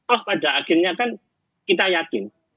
oh pada akhirnya kan kita yakin